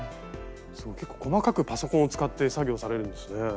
すごい結構細かくパソコンを使って作業されるんですね。